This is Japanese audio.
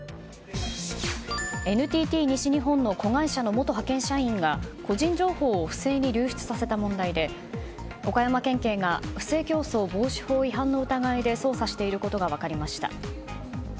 ＮＴＴ西日本の子会社の元派遣社員が個人情報を不正に流出させた問題で岡山県警が不正競争防止法違反の疑いで捜査していることが分かりました。